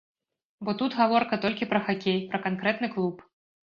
Бо тут гаворка толькі пра хакей, пра канкрэтны клуб.